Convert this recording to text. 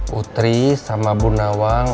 putri sama bu nawang